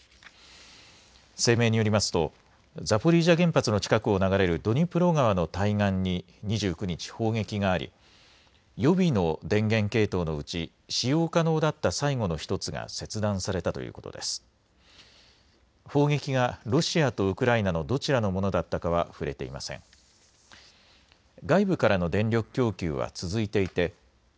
声明によりますと、ザポリージャ原発の近くを流れるドニプロ川の対岸に２９日、砲撃があり、予備の電源系統のうち、使用可能だった最後の１つが切断されたということです。